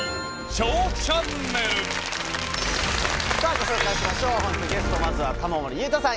ご紹介しましょう本日のゲストまずは玉森裕太さん。